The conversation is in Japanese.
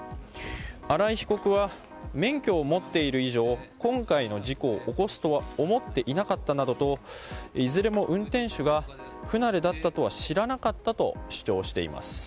荒井被告は免許を持っている以上今回の事故を起こすとは思っていなかったなどといずれも運転手が不慣れだったとは知らなかったと主張しています。